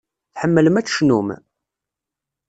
Tḥemmlem ad tecnum?